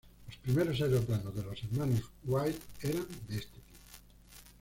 Los primeros aeroplanos de los Hermanos Wright eran de este tipo.